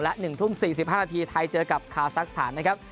และ๑ทุ่ม๔๕นาทีไทยเจอกับคาซักสถานนะครับ